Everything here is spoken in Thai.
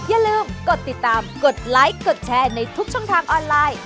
อย่าลืมกดติดตามกดไลค์กดแชร์ในทุกช่องทางออนไลน์